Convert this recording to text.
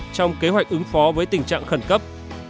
so với tình trạng khẩn cấp